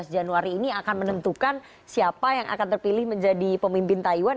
dua belas januari ini akan menentukan siapa yang akan terpilih menjadi pemimpin taiwan